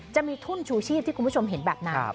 จะมีทุ่นชูชีพที่คุณผู้ชมเห็นแบบนั้น